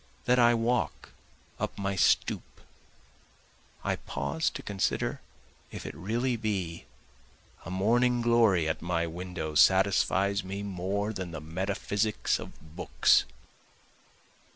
That I walk up my stoop, I pause to consider if it really be, A morning glory at my window satisfies me more than the metaphysics of books.